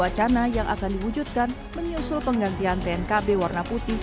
wacana yang akan diwujudkan menyusul penggantian tnkb warna putih